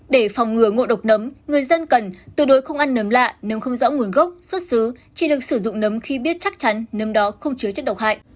để phòng ngừa ngộ độc nấm người dân cần tuyệt đối không ăn nấm lạ nếu không rõ nguồn gốc xuất xứ chỉ được sử dụng nấm khi biết chắc chắn nấm đó không chứa chất độc hại